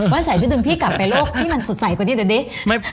ใส่ชุดดึงพี่กลับไปโลกที่มันสดใสกว่านี้เดี๋ยวดิ